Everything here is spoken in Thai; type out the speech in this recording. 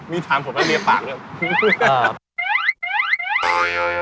มีทางผ่วงแม่เมียปากด้วยอ่า